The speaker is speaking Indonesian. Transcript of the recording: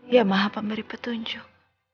ya maha pemberi petunjuk